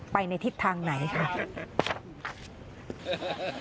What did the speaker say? ไปในทิศทางไหนค่ะ